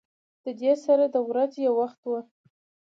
د دې سره د ورځې يو وخت